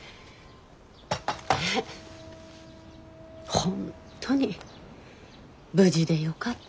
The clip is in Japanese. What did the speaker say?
本当に無事でよかった。